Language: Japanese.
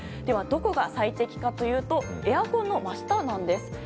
ではどこが最適かというとエアコンの真下なんです。